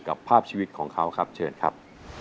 กับภาพชีวิตของเขาครับเชิญครับ